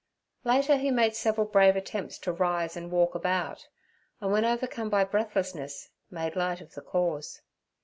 Later he made several brave attempts to rise and walk about, and when overcome by breathlessness made light of the cause.